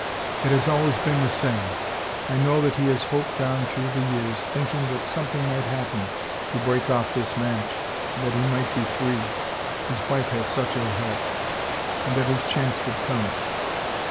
It has always been the same. I know that he has hoped on through the years — thinking that something might happen to break oflF this match and that he might be free — his wife has such ill health — and that his chance would come.